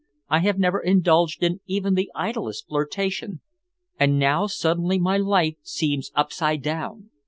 I have never indulged in even the idlest flirtation. And now suddenly my life seems upside down.